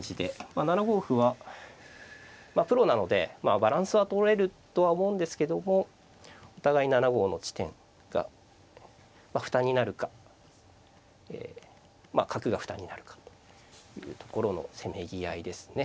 まあ７五歩はプロなのでバランスはとれるとは思うんですけどもお互い７五の地点が負担になるかまあ角が負担になるかというところのせめぎ合いですね。